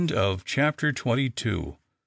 CHAPTER TWENTY THREE.